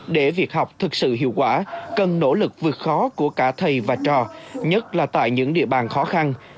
để việc học thực sự hiệu quả cần nỗ lực vượt khó của cả thầy và trò nhất là tại những địa bàn khó khăn